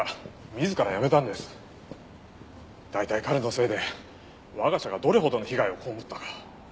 大体彼のせいで我が社がどれほどの被害を被ったか。